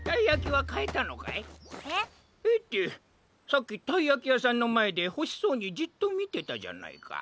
さっきたいやきやさんのまえでほしそうにじっとみてたじゃないか。